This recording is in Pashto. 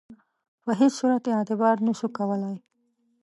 په هیڅ صورت اعتبار نه سو کولای.